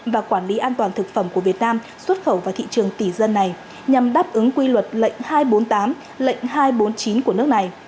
và quản lý an toàn thực phẩm của việt nam xuất khẩu vào thị trường tỷ dân này nhằm đáp ứng quy luật lệnh hai trăm bốn mươi tám lệnh hai trăm bốn mươi chín của nước này